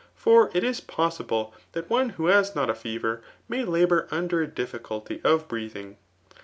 For it is possible that one who has not a fever may labour under a difficulty of breathing.